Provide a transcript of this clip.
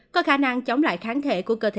có khả năng chống lại kháng thể của cơ thể